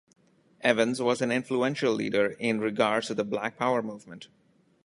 Evans was an influential leader in regards to the black power movement.